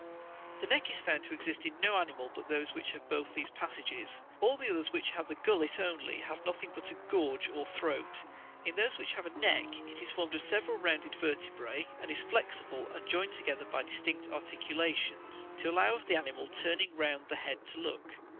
The neck is found to exist in no animal but those which have both these passages. All the others which have the gullet only, have nothing but a gorge or throat. In those which have a neck, it is formed of several rounded vertebrae, and is flexible, and joined together by distinct articulations, to allow of the animal turning round the head to look.